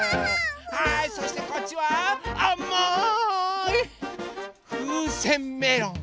はいそしてこっちはあまいふうせんメロン。